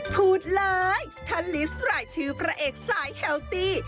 พูดเลยถ้าลิสต์รายชื่อพระเอกสายแฮลตี้